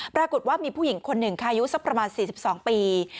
ปรากฏว่ามีผู้หญิงคนหนึ่งค่ะอายุสักประมาณ๔๒ปี